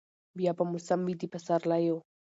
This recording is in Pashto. بیا به موسم وي د پسرلیو